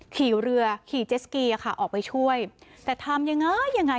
ขี่เรือขี่เจสกีอะค่ะออกไปช่วยแต่ทำยังไงยังไง